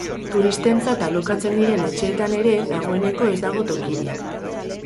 Turistentzat alokatzen diren etxeetan ere, dagoeneko ez dago tokirik.